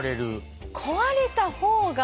壊れた方が。